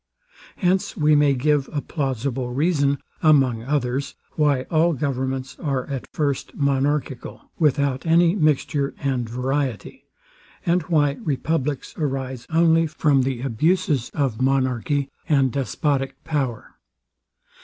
Hence we may give a plausible reason, among others, why all governments are at first monarchical, without any mixture and variety; and why republics arise only from the abuses of monarchy and despotic power.